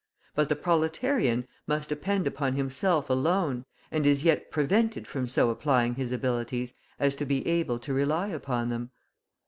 But the proletarian must depend upon himself alone, and is yet prevented from so applying his abilities as to be able to rely upon them.